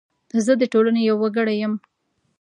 زه د ټولنې یو وګړی یم .